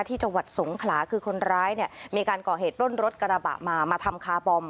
จังหวัดสงขลาคือคนร้ายเนี่ยมีการก่อเหตุปล้นรถกระบะมามาทำคาร์บอม